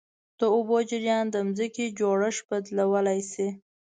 د اوبو جریان د ځمکې جوړښت بدلولی شي.